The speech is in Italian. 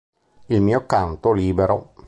Il mio canto libero